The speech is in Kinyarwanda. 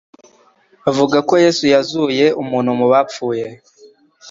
Bavuga ko Yesu yazuye umuntu mu bapfuye